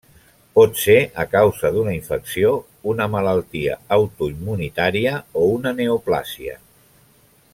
Pot ser a causa d'una infecció, una malaltia autoimmunitària, o una neoplàsia.